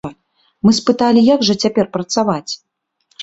Мы спыталі, як жа цяпер працаваць?